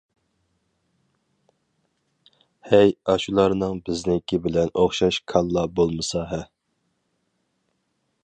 ھەي، ،، ئاشۇلارنىڭ بىزنىڭكى بىلەن ئوخشاش كاللا بولمىسا ھە!